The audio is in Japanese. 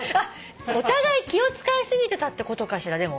お互い気を使い過ぎてたってことかしら？